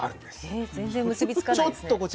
えっ全然結び付かないですね。